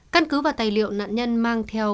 căn cứ và tài liệu nạn nhân mang theo